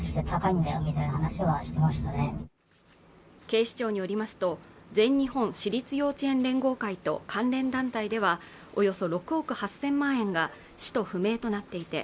警視庁によりますと全日本私立幼稚園連合会と関連団体ではおよそ６億８０００万円が使途不明となっていて